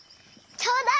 ちょうだい！